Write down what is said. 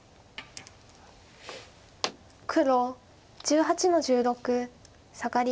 黒１８の十六サガリ。